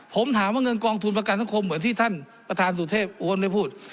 ผมถามว่าเงินกองทุนประกันสังคมเหมือนที่ท่านประธานสุเทพโอนได้พูด